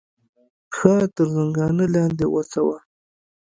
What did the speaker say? پښه تر زنګانه لاندې غوڅه وه.